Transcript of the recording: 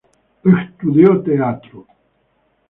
Estudió teatro.